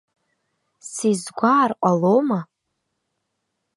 Сизгәаар ҟалома?